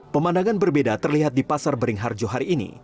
pemandangan berbeda terlihat di pasar beringharjo hari ini